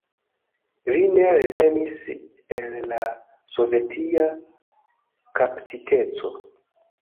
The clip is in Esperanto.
Li ne revenis el la sovetia kaptiteco.